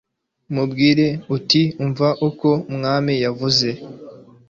umubwire uti umva uko umwami yavuze